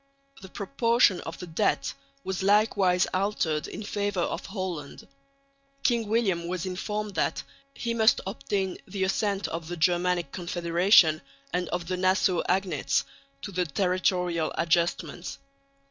The proportion of the debt was likewise altered in favour of Holland. King William was informed that he must obtain the assent of the Germanic Confederation and of the Nassau agnates to the territorial adjustments.